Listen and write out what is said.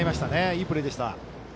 いいプレーでした。